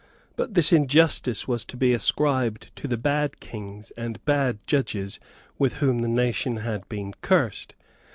But this injustice was to be ascribed to the bad kings and bad judges with whom the nation had been cursed.